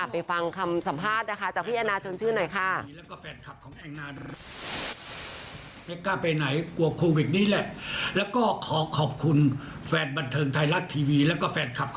ไปฟังคำสัมภาษณ์นะคะ